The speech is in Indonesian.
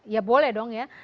ya boleh dong ya